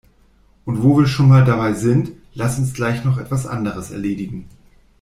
Und wo wir schon mal dabei sind, lass uns gleich noch etwas anderes erledigen.